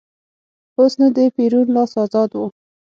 اوس نو د پېرون لاس ازاد و.